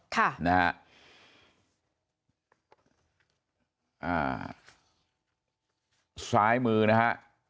ซ้ายมือนะฮะ